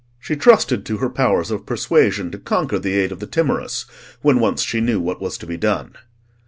She trusted to her powers of persuasion to conquer the aid of the timorous, when once she knew what was to be done.